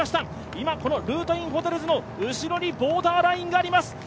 今、ルートインホテルズの後ろにボーダーラインがあります。